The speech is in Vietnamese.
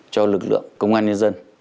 cho lực lượng công an nhân dân